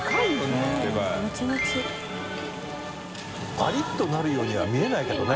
バリッとなるようには見えないけどね。